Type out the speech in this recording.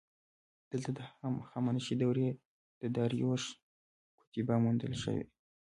دلته د هخامنشي دورې د داریوش کتیبه موندل شوې